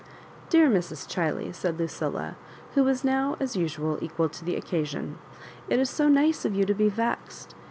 ''Dear Mrs. Chiley," said Lucilla, who was now, as usual, equal to the occasion, '*it is so nice of you to be vexed.